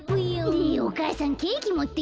ねえお母さんケーキもってきて。